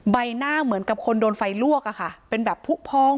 ใบหน้าเหมือนกับคนโดนไฟลวกอะค่ะเป็นแบบผู้พอง